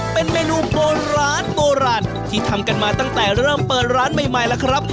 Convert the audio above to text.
เป็นเมนูโบราณโบราณที่ทำกันมาตั้งแต่เริ่มเปิดร้านใหม่แล้วครับ